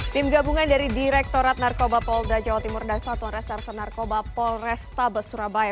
tim gabungan dari direktorat narkoba polda jawa timur dan satuan reserse narkoba polrestabes surabaya